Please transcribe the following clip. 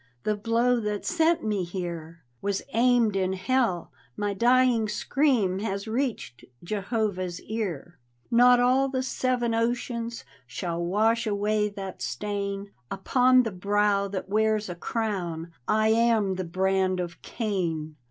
The blow that sent me here Was aimed in Hell. My dying scream Has reached Jehovah's ear. D,gt,, erihyGOOgle Feather stone's Doom Not all the seven oceans Shall wash away that stain; Upon the brow that wears a crown I am the brand of Cain."